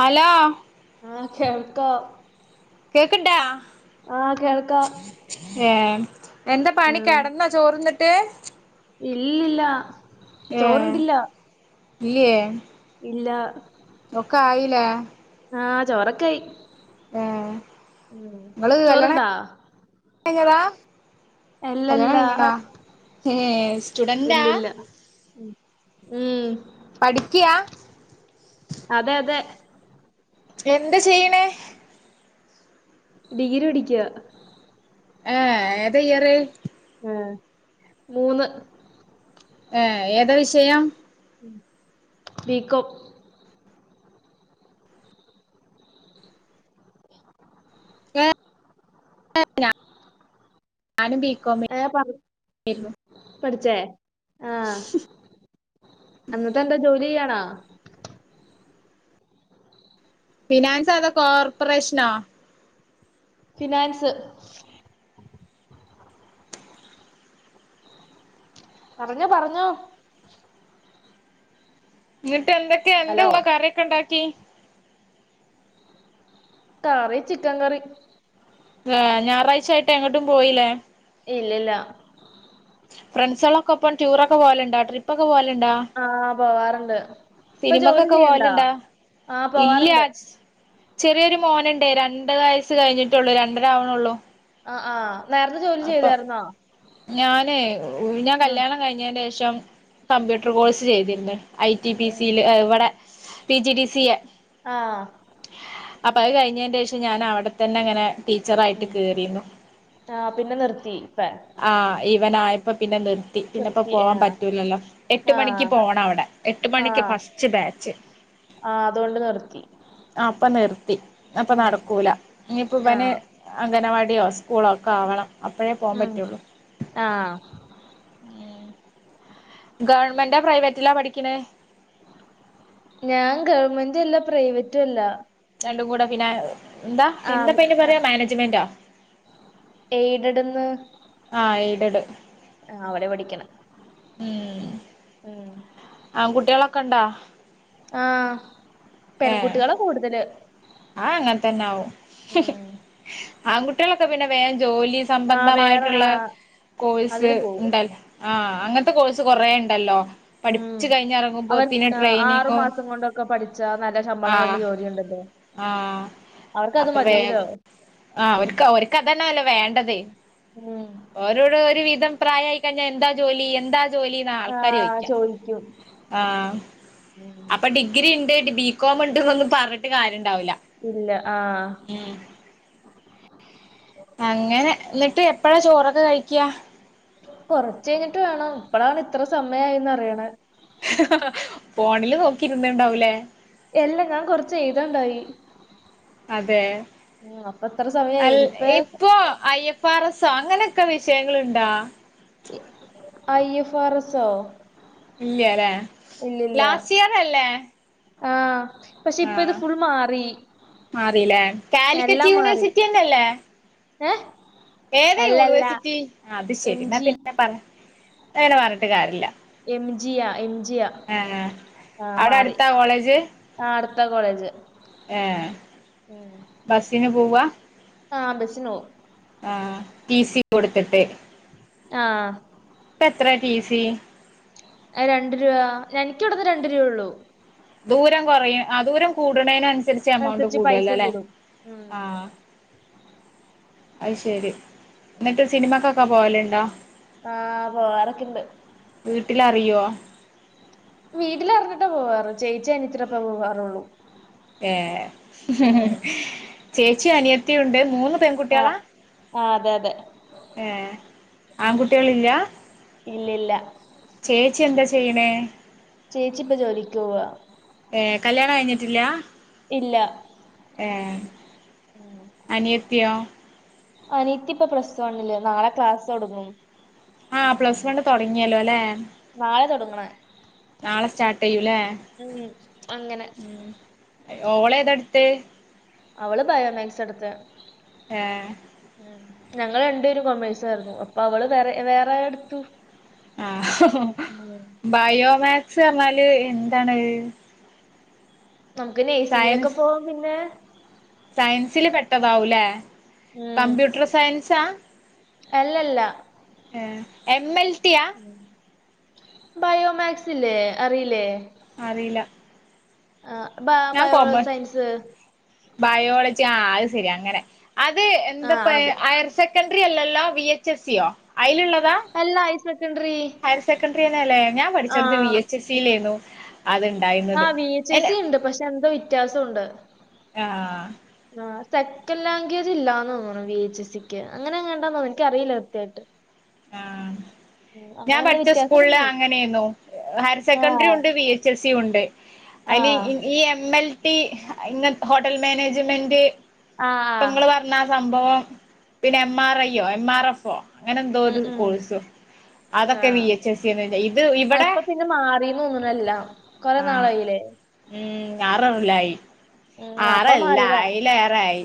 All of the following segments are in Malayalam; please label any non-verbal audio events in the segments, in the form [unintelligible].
ഹലോ. ആ കെട്ക്കോ? കേക്ക്ണ്ടാ ആഹ് കേൾക്കാം ഏമ് എന്താ പണി ആഹ് കിടന്ന ചോറുന്ന്ണ്ട്? ഇല്ലില്ല ഏ ചോറുണ്ടില്ല ഇല്ല. ഒക്ക, ആയിലേ? ആഹ് ചോറക്കായി. ഏ ഇങ്ങള് കല്യാണം ചോറുണ്ടാ കയ്ഞ്ഞതാ? അല്ലല്ല കല്യാണംകയ്ഞ്ഞ ടാ, ഏ സ്റ്റുഡന്റാ? മ്. പഠിക്ക്യാ? അതെ അതെ. എന്ത ചെയ്യ്ണേ? ഡിഗ്രി പഠിക്യാ. ഏ ഏതാ ഇയറ്? ആഹ് മൂന്ന് ഏ ഏതാ വിഷയം? B com. ഏ [unintelligible] ഞാനും ബീക്കോമ് [unintelligible] ആഹ്, എന്നിട്ട് എന്താ ജോലി ചെയ്യണാ? ഫിനാൻസോ അതോ കോർപ്പറേഷനോ? ഫിനാൻസ്. പറഞ്ഞോ പറഞ്ഞോ. ന്നിട്ട് എന്തൊക്കെയാ ഹലോ എന്താങ്ങ് കറിയൊക്കെ ഉണ്ടാക്കി? കറി ചിക്കൻ കറി. ഏ ഞാറാഴ്ച്ചായിട്ട് എങ്ങട്ടും പോയിലേ? ഇല്ലല്ല. ഫ്രണ്ട്സാളൊക്കെപ്പം ടൂറൊക്കെ പോല്ണ്ട ട്രിപ്പ് ഒക്കെ പോവലണ്ടോ? ആഹ് പോവാറുണ്ട്! ഇപ്പൊ ജോലി സിനിമക്കൊക്കെ ചെയ്യണ്ടാ പോലുണ്ടാ? ആഹ് ഇല്ല... പോവാറുണ്ട് ചെറിയൊരു മോനുണ്ടേ, രണ്ട് വയസ്സ് കഴിഞ്ഞിട്ടുള്ളൂ. രണ്ടരാവ്ണള്ളൂ. ആഹ് ആ നേരത്തെ ജോലി ചെയ്താരുന്നോ? ഞാനെഹു, ഞാൻ കല്യാണം കഴിഞ്ഞൻ്റെ ശേഷം, കമ്പ്യൂട്ടർ കോഴ്സ് ചെയ്തിന്ന്!. ഐ ടി ഉം പി ഉം സി ല് ഇവിടെ P G D C A. ആഹ് അപ്പഅഹ് കയ്ഞ്ഞേന്റെശം ഞാൻ അവിടെത്തന്നെ അങ്ങനെ ടീച്ചറായിട്ട് ഉം കേറീന്നു. ആഹ് പിന്നെ നിർത്തി ഫേ ആഹ് ഇവനാആയപ്പോ പിന്നെ നിർത് തി പിന്നെപ്പോ നിർത്തി പോവാൻ ആഹ് പറ്റൂലല്ലോ,? എട്ട് മണിക്ക് ആഹ് പോണം അവടെ. എട്ട് മണിക്ക് ആഹ് ഫസ്റ്റ് ബാച്ച്. ആഹ് അതോണ്ട് നിർത്തി. ആഹ് ഇപ്പ നിർത്തി അപ്പ ഉം നടക്കൂല ഇനിപ്പം ഇവന് ആഹ് അംഗനവാട്യോ സ്കൂ. [unintelligible] മ് ആഹ്. ഗവൺമെന്റാ പ്രൈവറ്റിലാ പഠിക്ക്‌ ണ്. ഞാൻ ഗവൺമെന്റും അല്ല പ്രൈവറ്റും അല്ല. രണ്ടും കൂടെ പിന്നെ. എന്താ എന്താപ്പം അയിന് ആഹ് പറയാ മാനേജ്മെന്റോ. എയ്ഡഡ്ന്ന് ആ ഏഴ്ടട്. ആ അവിടെ പഠിക്ക്‌ണ്. ഉം ഉം ആകുട്ടികളൊക്കെ ഉണ്ടോ? ആ പെൺകുട്ടികളാ കൂടുതല്. ആ അങ്ങൻ തന്നെ ആവും ഉം ആൺകുട്ടികളൊക്കെ പിന്നെ വേഗം ജോലി. ആഹ് വേറെ സംബന്ധമായിട്ടുള്ള ആഹ് കോഴ്സ് അതിന് പോവും ഇണ്ടല്ലോ? ആ അങ്ങനത്തെ കോഴ്സ് കൊറേ ഇണ്ടല്ലോ? പഠിച്ചു ഉം അവർ കഴിഞ്ഞറങ്ങുമ്പോത്തിന്. ആഹ് ആറു ട്രെയിനിങ്ങും മാസം കൊണ്ടൊക്കെ പഠിച്ചാ നല്ല ശമ്പളം ആഹ് കിട്ടുന്ന ജോലിയുണ്ടല്ലോ ആ അവർക്കത് അപ്പൊ വേ മതിലോ ആ അവർക്ക് ഓര്ക്ക് അതന്നല്ലേ വേണ്ടത്. ഉം ഓരോട് ഒരു വിധം. പ്രായായി കഴിഞ്ഞ എന്താ ജോലി എന്താ ജോലി. ആൾക്കാര് ആഹ് ചോയ്ക്ക ചോദിക്കും ആ അപ്പ ഡി ഡിഗ്രി ഉണ്ട് ബികോമ് ഉണ്ട്ന്നൊന്നും പറഞ്ഞിട്ട് കാര്യം ണ്ടാവില. ഇല്ല ആ ഉം അങ്ങനെ ന്നിട്ട് എപ്പഴാ ചോറൊക്കെ കഴിക്ക? കൊറച്ച് കഴിഞ്ഞിട്ട് വേണം. ഇപ്പളാണ് ഇത്ര സമയായിന്ന് അറിയ്ണ്. ഹഹ ഫോണില് നോക്കിയിരുന്ന് ഇണ്ടാവൂലേ? എല്ല ഞാൻ കൊറച്ച എഴുതാണ്ടായി അതെ ഉ അപ്പൊ എത്ര സമയായി ഇനിയിപ്പേ. പറസം അങ്ങനെയൊക്കെ വിഷയങ്ങളുണ്ടാ അയ്യ ഫാറ സോ ഇല്ല ല്ലേ ലാസ്റ്റ് ഇയർ അല്ലേ? ആഹ് പക്ഷെ ആ ഇപ്പൊ ഇത് ഫുൾ മാറി മാറില്ലേ കാലിക്കറ്റ് യൂണിവേഴ്സിറ്റി എന്നല്ലേ? ഏ ഏതാ യൂണിവേഴ്സിറ്റി. അത് ശെരി ന്ന ജി പിന്നെ പറ അങ്ങനെ പറഞ്ഞിട്ട് കാര്യല്ല്യ. എം ജിയ എം ജിയ ആ അവിടെ മാറി. അടുത്താ കോളേജ് ആ അടുത്ത കോളേജ്. ഏ ബസ്സിന് പോവ. ആ ബസ്സിനോവും. ആ ടി സി കൊടുത്തിട്ട്. ആഹ് ഇപ്പ എത്ര ഫീസി. രണ്ടു രൂപ എനിക്കിവിടുന്ന് രണ്ടു രൂപ ഉള്ളൂ. ദൂരം കൊറയും ആ ദൂരം കൂട്ണേന് അൻസരിച്ച് എമൗണ്ട് അതനുസരിച്ച് കൂടുല്ലോ പൈസയും ല്ലേ? കൂടും ഉം ആഹ് അഹ് ശരി ന്നിട്ട് സിനിമക്കൊക്കെ പോവലിണ്ടോ? ആ പോവാറോക്കെ ഇണ്ട്. വീട്ടിലറിയോ. വീട്ടില്റിഞ്ഞിട്ട പോവാറ്. ചേച്ചി അനിയത്തീടപ്പം പോവാറോള്ളൂ. ഏ ഹ് ഹ് ചേച്ചി അനിയത്തിയുണ്ട്. മൂന്ന് പെൺകുട്ടികളാ? ആ അതെ അതെ. ഏഹ്, ആൺകുട്ട്യാള്ല്ല? ഇല്ലില്ല. ചേച്ചി എന്താ ചെയ്യണേ ചേച്ചിപ്പം ജോലിക്കോവാ ഏഹ് കല്യാണം കയ്ഞ്ഞ്ട്ടില്ല ഇല്ല ഉം അനിയത്തിയോ അനിത്തിപ്പൊ പ്ലസ് വണ്ണ്ല്. നാളെ ക്ലാസൊട്ങ്ങും. ആഹ് പ്ലസ് വണ്ണ് തൊടങ്ങിയല്ലോ ലെ നാളെ തൊട്ങ്ങ്ണ്. നാളെ സ്റ്റാട്ടെയ്യുലെ ഉം അങ്ങനെ ഉം ഓളേതാട്ത്തെ അവള് ബയോമാക്സെടുത്തേ ഏ.. ഹ്! ഉം. ഞങ്ങൾ രണ്ടേരും കൊമേഴ്സായിര്ന്നു. അപ്പൊ അവള് വേറെ, വേറേ എടുത്തു. ആഹ് ഹോ ഉം ബയോമാക്സ് പർഞ്ഞാല് എന്താണത് നമുക്ക് നെയ്സിങ്ങിനൊക്കെ പോവാം പിന്നെ. സയൻസിൽ പെട്ടതാവൂല്ലേ ഉം കമ്പ്യൂട്ട്ർ സയൻസാ ഇതല്ല. ഏഹ്, എം. എൽ. ട്ടി യാ? ബയോമാക്സ് ല്ലേ..? അറീല്ലേ? അറീല്ല ആഹ് ബ ബയോളജി സയൻസ് ബയോളജി ആഹ് അയിസെരി അങ്ങനെ അത് ആ എന്താപ്പയ് അത് ഹയർ സെക്കൻഡ്രിറി അല്ലല്ലോ? വി. എച്ച്. സ്യോ? അയ്ലുള്ള അല്ല ഹയർ സെക്കൻഡറി [unintelligible] ഹയർ സെക്കൻഡ്രിയന്നെ ലെ ഞാൻ പഠിച്ചട്ത്ത് വി എച്ച് എസ് സിലേര്ന്നു ആഹ് വി എച്ച് എസ്സി ണ്ട് പക്ഷെ എന്തോ വ്യത്യാസുണ്ട് ആഹ് ആഹ് ആഹ് സെക്കൻ ലാംഗ്വേജ് ഇല്ലാന്ന് തോന്ന്ണു വി എച്ച് എ സിക്ക് അങ്ങനെ എങ്ങാണ്ടോ തോന്ന് ഇന്ക്കറിയില്ല കൃത്യയിട്ട് [inaudible] ആഹ് ഞാൻ അങ്ങനെ എന്തോ പഠിച്ച സ്കൂളില് വ്യത്യാസമുണ്ട് അങ്ങനേര്ന്നു ഹയർ ആ സെക്കൻഡ്രിണ്ട് വി എ ച്ചെസ്സി ഉണ്ട്. ആ അയ്ല് ഇ, ഈ എം എൽ. ട്ടി അഹ്ങ്ങൻ ഹോട്ടൽ മാനേജ്മെന്റ് ആ ആ പ്പങ്ങള് പർ ന്ന ആഹ് സംഭവം പിന്നെ എം ആർ ഐയോ എം ആർ എഫോ അങ്ങനെന്തോ ഉം ഒര് ഉം കോഴ്സു ആ അതൊക്കെ വി. എച്ച്. സ്സിന്നേണ്. ഇത് ആ ഇബടെ, ഇപ്പൊ പിന്നെ മാറിന്ന് തോന്നുന്നു എല്ലാം കൊറേ ആഹ്. നാളായില്ലേ ഉം [unintelligible] ഉം അപ്പം ആറല്ല മാറിയതാ അയിലേറെ ആയി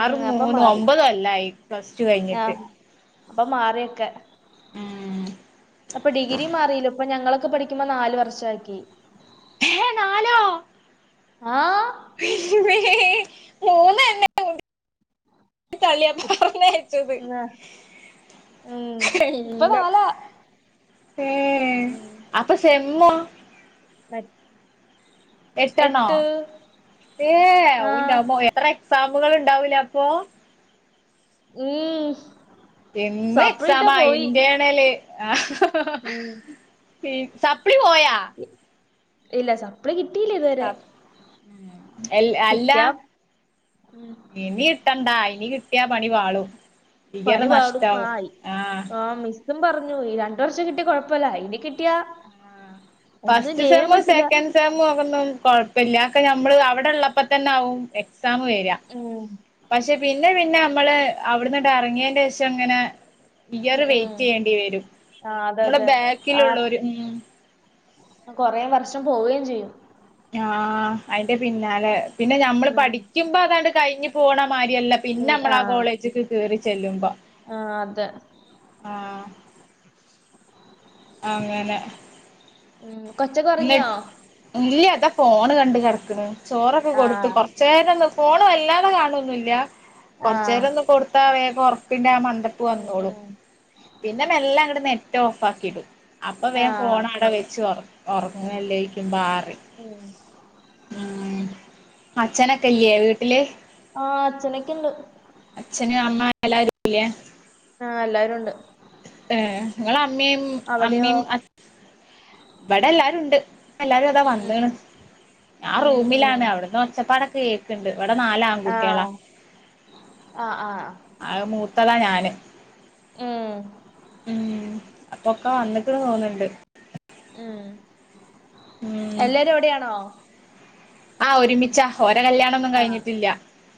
ഉം അപ്പം മൂന്നും, മാറി ഒമ്പത് കൊല്ലായി പ്ലസ് ടു കയ്ഞ്ഞ്ട്ട്. അപ്പൊ മാറി ഒക്കെ അപ്പൊ ഡിഗ്രിയും മാറീലെ ഇപ്പൊ ഞങ്ങളൊക്കെ പടി ക്കുമ നാല് വർഷാക്കി ഹേ നാലോ ആഹ് [unintelligible] തള്ള്യ പർഞ്ഞേച്ചത് ന്ന് ഉം ഇപ്പൊ എല്ലം നാലാ ഏഹ് ഉം ഇപ്പ സെമ്മ ന്ന [unintelligible] എട്ടെണ്ണോ? ഏഹ് അവ് ആഹ് ന്റെമ്മോ! എത്ര എക്സാമുകൾ ഉണ്ടാവൂലെ അപ്പൊ? ഉം ഹ്, എന്നും എക്സാമാ ഇന്റേണല് ആഹ് ഉം ഈഹ്, സപ്പ്ളി പോയാ? ഇ- ഇല്ല സപ്ളി കിട്ടീല ഇതുവരെ സപ് എൽ കിട്ട്യാ അല്ല ഉം ഇനി കിട്ടണ്ട ഇനി കിട്ടിയാ പണി പാളും ഇയർ പണി നഷ്ടമാവും ആഹ് ഇതും പർഞ്ഞു ഈ രണ്ടു വർഷം കിട്ടിയ കൊയ്പ്പല്ല ഇനി കിട്ട്യാ? ഫസ്റ്റ് സേമും സെക്കൻഡ് സേ സേം ഒന്നും കുഴപ്പില്ല ഒക്കെ നമ്മള് അവിടെള്ളപ്പോ തന്നെ ആകും എക്സാം വേര ഉം പക്ഷെ പിന്നെ പിന്നെ നമ്മള് അവിടന്നിട്ട് ഇറങ്ങിയേന്റെ ശേഷം ഇങ്ങനെ ഉം ഇയറ് ഉം വൈറ്റെയ്യേണ്ടി വരും ആഹ് അതെ നമ്മടെ അതെ ആഹ് ബേക്കിലുള്ളോര് മ്. കൊറേ വർഷം പോവേം ചെയ്യും ആഹ് അയ്ന്റെ പിന്നാലെ പിന്നെ ഞമ്മള് ഉം പഠിക്യുമ്പം അതാണ്ട് കയ്ഞ്ഞ് പോണാ മാര്യല്ല ഇപ്പോ പിന്നെ നമ്മള് ആഹ് കോളേജിക്ക് കേറി ചെല്ലുമ്പോ ആഹ് അതെ. ആഹ് അങ്ങനെ ഉം കൊചോക്കെ ഒർങ്ങ്യോ? ഇല്ല്യ ഇതാ ഫോണ് കണ്ട് കെട്ക്ക്ണ് ചോറൊക്കെ കൊടുത്ത് കൊ ആഹ് കുറച്ചേരൊന്ന് ഫോൺ വേല്ലാതെ കാണൊന്നില്ല കൊറച് ആഹ് നേരൊന്നും കൊടുത്താ വേഗം ഒറ പിന്നെ ആ മന്തപ്പ് ഉം വന്നോളും. ഉം പിന്നെ മെല്ലേ അങ്ങട് നെറ്റ് ഓഫ് ആക്കിടും. അപ്പൊ വേം ആഹ് ഫോണ് അവിടേ വെച്ച് ഉറങ്ങല്ലക്കുമ്പോ ആ പറിം ഉം ആഹ് അച്ഛനൊക്കെ ഇല്ലേ വീട്ടില് ആഹ് അച്ഛനൊക്കെണ്ട്. അച്ഛനും അമ്മേം എല്ലാരുല്ലേ? ആഹ് എല്ലാരുംണ്ട് ഏഹ് ഇങ്ങൾ അമ്മേം അമ്മേ അവിടെയോ മ് അച് ഇവടെ എല്ലാരും ണ്ട്. എല്ലാരും അതാ ഉം വന്ന്ണ് ഞാൻ ഉം ഉം റൂമിലാണ്. അവ്ടുന്ന് ഒച്ചപ്പാടൊക്കെ കേക്കണുണ്ട് ഇവിടെ നാലാ ആൺകുട്ടികളാ ആഹ് ആഹ് ആഹ് ആഹ് മൂത്താള ഞാന്. മം മ് അപ്പൊക്കെ വന്നിക്ക്ണ് തോന്ന് ണ്ട് മം. ഉം എല്ലാരും അവിടെയാണോ ആഹ് ഒരുമിച്ചാ ഓരെ കല്യാണൊന്നും ആഹ് കഴിഞ്ഞിട്ടില്ല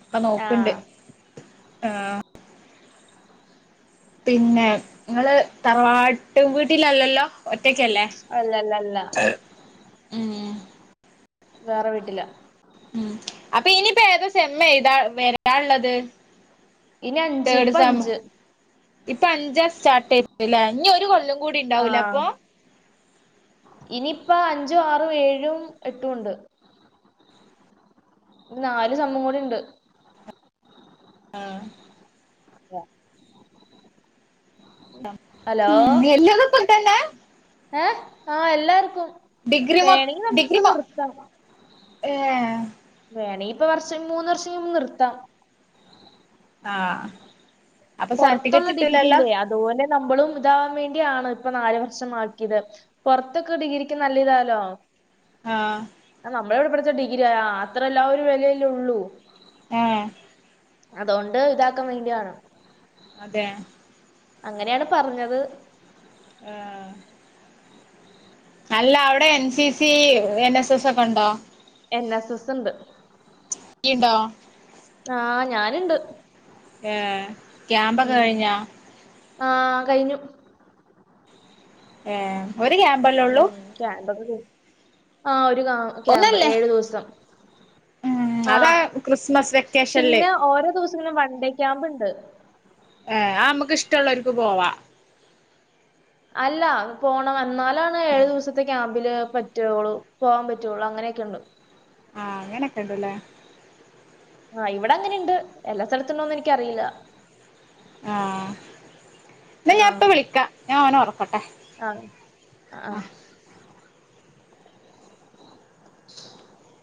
ഇപ്പ നോക്കണ്ട് ആഹ് ആഹ് പിന്നെ ഇങ്ങള് തറവാട്ട് വീട്ടിലല്ലല്ലോ ഒറ്റക്കല്ലേ [inaudible] അല്ലല്ലല്ല മ്. വേറെ വീട്ടില മ് അപ്പൊ ഇനിയിപ്പോ ഏതോ സേമ് ഏതാ വരാന്ള്ളത് ഇനി അഞ്ച് തേഡ് ഇപ്പ സേം അഞ്ച് ഇപ്പ അഞ്ചാ സ്റ്റാർട്ട് ചെയ്തലെ ഇൻഞ് ഒരു കൊല്ലം കൂടി ഉണ്ടാവൂലേ ആഹ് അപ്പൊ ഇനിയിപ്പ അഞ്ചും ആറും ഏഴും എട്ടും ഉണ്ട്. ഇനി നാല് സമ്മും കൂടി ഇണ്ട്. ആഹ് [inaudible] ഹലോ മ് എല്ലോത്തും [unintelligible] ഏഹ് ആഹ് എല്ലാർക്കും ഡിഗ്രി മൊ വേണെങ്കി ഡിഗ്രി നമ്മക്ക് മൊ നിർത്താം ഏഹ് വേണെ ഇപ്പം വർഷം മൂന്ന് വർഷം കയുമ്പോ നിർത്താം ആഹ് അപ്പൊ സർട്ടിഫിക്കറ്റ്‌ പൊറത്തുള്ള ഡിഗ്രി കിട്ടുല്ലല്ലോ ഇല്ലേ അതുപോലെ നമ്മളും ഇതാവാൻ വേണ്ടിയാണ് ഇപ്പൊ നാല് വർഷമാക്കിത്. പൊർത്തൊക്കെ ഡിഗ്രിക്ക് നല്ല ഇതാലോ. ആഹ് ആ നമ്മളെവിടെ പഠിച്ച ഡിഗ്രി. ആ അത്ര എല്ലാ ആഹ് ഒരു വില അല്ലെ ഉള്ളു ആഹ് അതുകൊണ്ട് ഇതാക്കാൻ വേണ്ടിയാണ് അതേ. അങ്ങനെണ് പറഞ്ഞത്. ആഹ്. അല്ല, അവിടെ N. C. C, N. S. S ഒക്കെണ്ടോ? എന്ന സ്സെസ്സ് ണ്ട്. യ്യ് ണ്ടോ? ആ ഞാനുണ്ട് ഏഹ്. ക്യാമ്പൊക്കെ കഴിഞ്ഞാ? ആഹ്, കഴിഞ്ഞു. ഏഹ്. ഒരു ക്യാമ്പല്ലേ ഒള്ളൂ? ക്യാമ്പാപ്പത്. ആഹ്, ഒരു കാ, ക്യാമ്പ്. ഒന്നല്ലേ ഏഴു ദിവസം. ഉം അതാ ആഹ്. ക്രിസ്മസ് വെക്കേഷനില് പിന്നെ, ഓരോ ദിവസങ്ങളിലും വൺണ്ടേ ക്യാമ്പ് ണ്ട്. ഏഹ്, അ മ്മക്ക് ഇഷ്ടള്ളോര്ക്ക് പോവാ. അല്ല. അത് പോണം. എന്നാലാണ് ഏഴു ദിവസത്തേക്ക് വില്ലേ പറ്റൊള്ളൂ. പോവാം പറ്റൊള്ളൂ. അങ്ങനെക്കെണ്ട്. ആഹ്, അങ്ങനെക്കെ ണ്ട് ല്ലേ? ആഹ്, ഇവിടെ അങ്ങനെണ്ട്. എല്ലാ സ്ഥലത്തുണ്ടോന്നെനിക്കറിയില്ല. ആഹ്, ന്നാ ഞ്ഞാപ്പ വിളിക്കാ, ഞാൻ ഓനെ ഒറക്കട്ടെ. ആഹ്, അ ആഹ്. [inaudible]